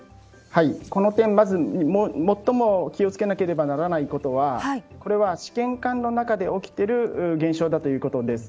この点で、まず最も気を付けなければならないことはこれは試験管の中で起きている現象だということです。